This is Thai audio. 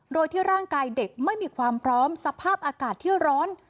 โดยที่ร่างกายเด็กไม่มีความพร้อมสภาพอากาศที่ร้อน